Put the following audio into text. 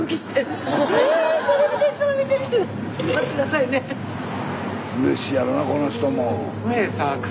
スタジオうれしいやろなこの人も。